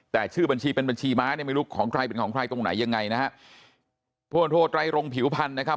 แต่ชื่อบัญชีเป็นบัญชีมั้ยไม่รู้ของใครเป็นของใครตรงไหนยังไงนะครับ